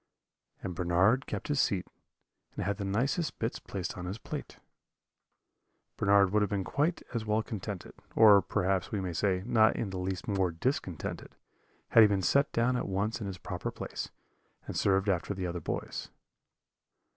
"And Bernard kept his seat, and had the nicest bits placed on his plate. "Bernard would have been quite as well contented, or, perhaps we may say, not in the least more discontented, had he been set down at once in his proper place, and served after the other boys.